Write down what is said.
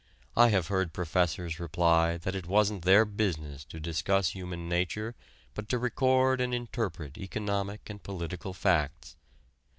I have heard professors reply that it wasn't their business to discuss human nature but to record and interpret economic and political facts.